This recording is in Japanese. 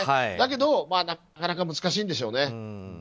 だけどなかなか難しいんでしょうね。